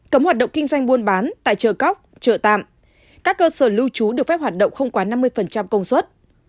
cấm hoạt động kinh doanh buôn bán tại chợ cóc chợ tạm các cơ sở lưu trú được phép hoạt động không quá năm mươi công suất